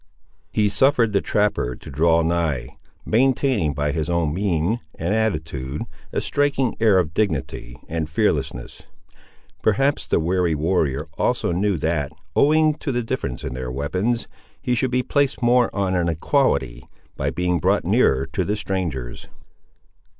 He suffered the trapper to draw nigh, maintaining by his own mien and attitude a striking air of dignity and fearlessness. Perhaps the wary warrior also knew that, owing to the difference in their weapons, he should be placed more on an equality, by being brought nearer to the strangers.